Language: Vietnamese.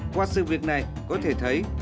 qua sự việc này có thể thấy